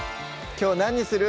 きょう何にする？